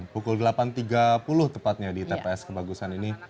pukul delapan tiga puluh tepatnya di tps kebagusan ini